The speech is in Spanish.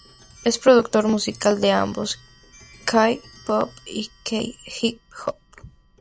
Es productor musical de ambos, K-pop y K-HipHop.